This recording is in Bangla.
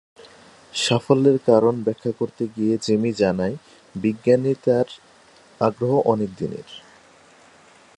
সাফল্যের কারণ ব্যাখ্যা করতে গিয়ে জেমি জানায়, বিজ্ঞানে তার আগ্রহ অনেক দিনের।